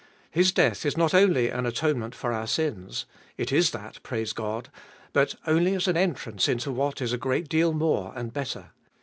His death is not only an atonement for our sins — it is that, praise God !— but only as an entrance into what is a great deal more and better.